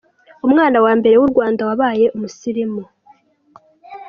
Umwami wa mbere w’u Rwanda wabaye umusilimu.